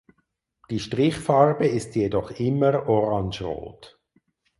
Die Strichfarbe ist jedoch immer orangerot.